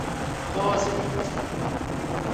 Kosel yns i.